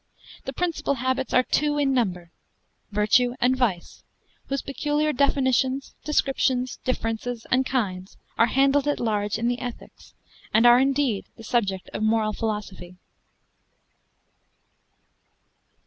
The principal habits are two in number, virtue and vice, whose peculiar definitions, descriptions, differences, and kinds, are handled at large in the ethics, and are, indeed, the subject of moral philosophy.